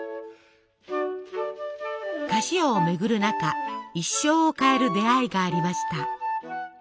菓子屋を巡る中一生を変える出会いがありました。